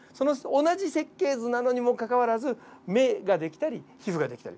同じ設計図なのにもかかわらず目ができたり皮膚ができたり。